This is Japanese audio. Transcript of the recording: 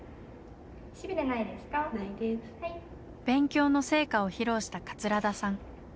勉強の成果を披露した桂田さん。